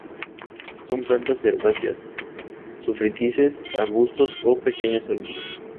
Son plantas herbáceas sufrútices, arbustos o pequeños árboles.